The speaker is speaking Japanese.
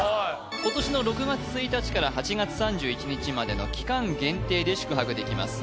今年の６月１日から８月３１日までの期間限定で宿泊できます